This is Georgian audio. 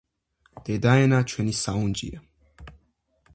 დედაენა ჩვენი საუნჯეა!